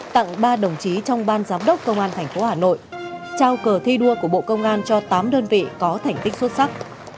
tặng ba đồng chí trong ban giám đốc công an tp hà nội trao cờ thi đua của bộ công an cho tám đơn vị có thành tích xuất sắc